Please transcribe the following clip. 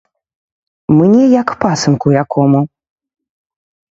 Мне як пасынку якому!